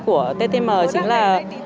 của ttm chính là